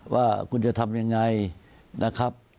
ว่าคุณจะทำยังไงนะครับ